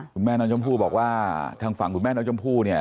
คุณแม่น้องชมพู่บอกว่าทางฝั่งคุณแม่น้องชมพู่เนี่ย